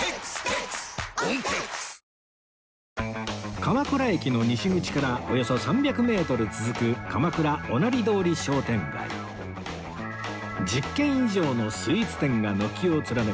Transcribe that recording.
鎌倉駅の西口からおよそ３００メートル続く１０軒以上のスイーツ店が軒を連ねます